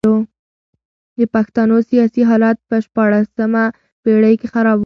د پښتنو سیاسي حالت په شپاړلسمه پېړۍ کي خراب و.